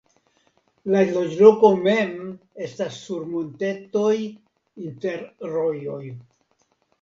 La loĝloko mem estas sur montetoj inter rojoj.